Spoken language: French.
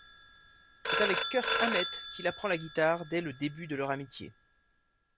C'est avec Kirk Hammet qu'il apprend la guitare dès le début de leur amitié.